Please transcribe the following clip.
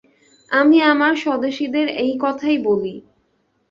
আমি আমার স্বদেশীদের এই কথাই বলি।